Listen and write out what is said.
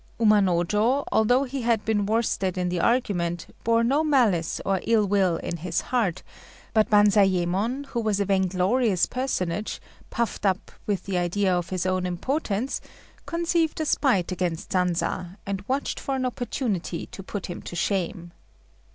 Umanojô, although he had been worsted in the argument, bore no malice nor ill will in his heart; but Banzayémon, who was a vainglorious personage, puffed up with the idea of his own importance, conceived a spite against Sanza, and watched for an opportunity to put him to shame.